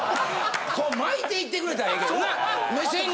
こう巻いていってくれたらええけどな。